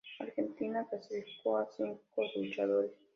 Argentina clasificó a cinco luchadores.